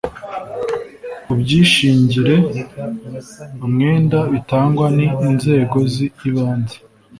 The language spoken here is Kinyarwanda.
ibyishingire umwenda bitangwa n inzego z ibanze